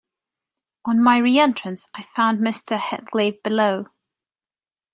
On my re-entrance, I found Mr. Heathcliff below.